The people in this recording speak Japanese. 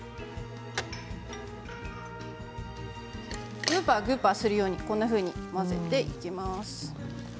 グーパーグーパーするようにこんなふうに混ぜていきます。